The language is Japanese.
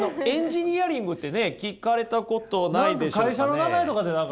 エンジニアリングってね聞かれたことないでしょうかね？